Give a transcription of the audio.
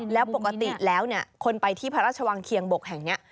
แล้วปกติแล้วคนไปที่พระราชวังเคียงบกแห่งนี้